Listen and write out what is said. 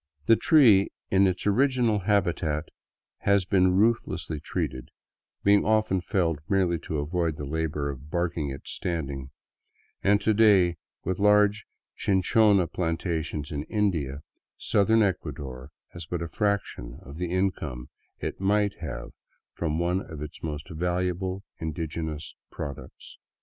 The tree in its original habitat has been ruthlessly treated, being often felled merely to avoid the labor of barking it standing, and to day, with large chinchona plantations in India, southern Ecuador has but a fraction of the income it might have from one of its most valuable indigenous products.